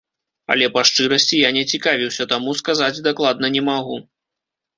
Але, па шчырасці, я не цікавіўся, таму сказаць дакладна не магу.